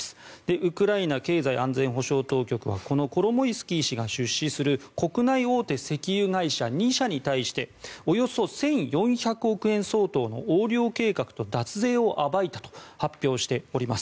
ウクライナ経済安全保障当局はこのコロモイスキー氏が出資する国内大手石油会社２社に対しておよそ１４００億円相当の横領計画と脱税を暴いたと発表しております。